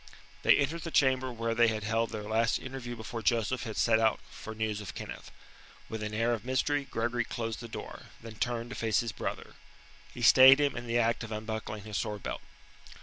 They entered the chamber where they had held their last interview before Joseph had set out for news of Kenneth. With an air of mystery Gregory closed the door, then turned to face his brother. He stayed him in the act of unbuckling his sword belt.